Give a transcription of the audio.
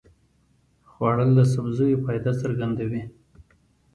خوړل د سبزیو فایده څرګندوي